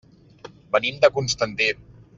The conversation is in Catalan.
Venim de Constantí.